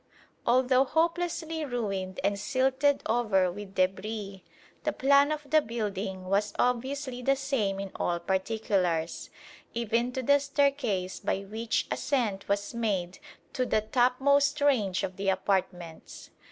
Although hopelessly ruined and silted over with débris, the plan of the building was obviously the same in all particulars, even to the staircase by which ascent was made to the topmost range of apartments.